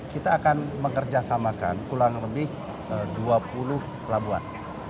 kita akan bekerja samakan kurang lebih dua puluh pelabuhan